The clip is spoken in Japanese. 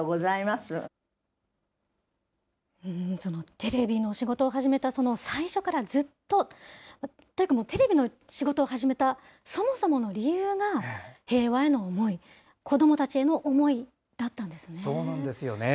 テレビの仕事を始めたその最初から、ずっと、というかテレビの仕事を始めたそもそもの理由が平和への思い、子そうなんですよね。